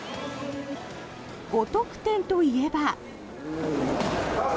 ５得点といえば。